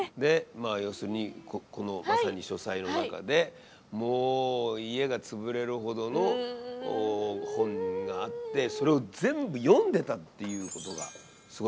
まあ要するにこのまさに書斎の中でもう家が潰れるほどの本があってそれを全部読んでたっていうことがすごいと思います。